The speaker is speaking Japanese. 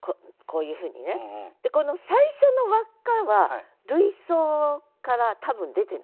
でこの最初の輪っかは類想から多分出てない。